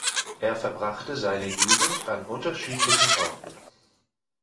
Er verbrachte seine Jugend an unterschiedlichen Orten.